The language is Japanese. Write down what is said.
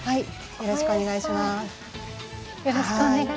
よろしくお願いします。